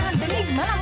jangan terlalu banyak